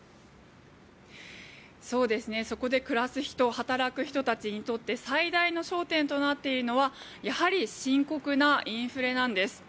そこで暮らす人働く人たちにとって最大の焦点となっているのはやはり深刻なインフレなんです。